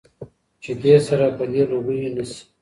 چي دي سره په دې لوګيو نه سي